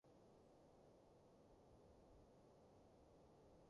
點解你仲咁堅持幫手錄音？